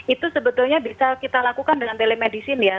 itu sebetulnya bisa kita lakukan dengan telemedicine ya